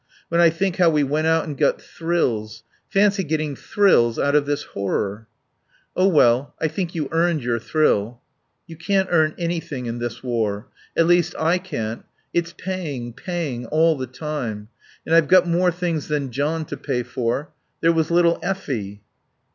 When I think how we went out and got thrills. Fancy getting thrills out of this horror." "Oh well I think you earned your thrill." "You can't earn anything in this war. At least I can't. It's paying, paying all the time. And I've got more things than John to pay for. There was little Effie."